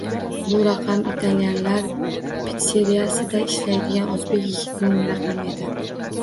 Bu raqam Italyanlanlar pitseriyasida ishlaydigan oʻzbek yigitning raqami edi.